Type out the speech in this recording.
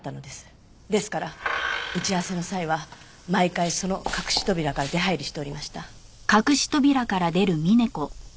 ですから打ち合わせの際は毎回その隠し扉から出入りしておりました。